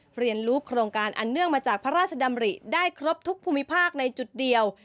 เรียนรู้โครงการอันเนื่องมาจากพระราชดำริได้ครบทุกภูมิภาคในจุดเดียว